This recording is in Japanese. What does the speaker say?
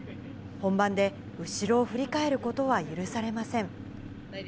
本番で後ろを振り返ることは許されません。